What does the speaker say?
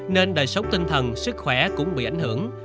nên đời sống tinh thần sức khỏe cũng bị ảnh hưởng